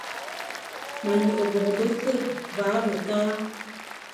Ma nyeghe bô bese, va ve kale.